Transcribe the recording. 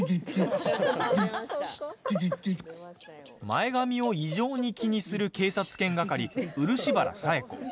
前髪を異常に気にする警察犬係、漆原冴子。